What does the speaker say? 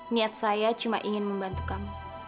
niat saya cuma ingin membantu kamu